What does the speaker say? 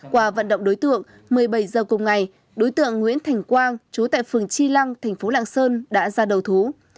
qua vận động đối tượng một mươi bảy h cùng ngày đối tượng nguyễn thành quang trú tại phường chi lăng thành phố lạng sơn đã ra đầu thú